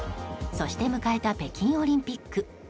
そして迎えた北京オリンピック。